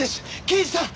刑事さん！